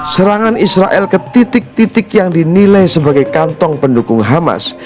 serangan israel ke titik titik yang dinilai sebagai kantong pendukung hamas